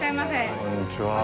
こんにちは。